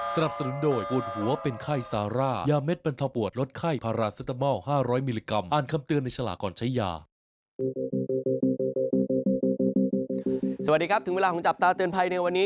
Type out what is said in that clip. สวัสดีครับถึงเวลาของจับตาเตือนภัยในวันนี้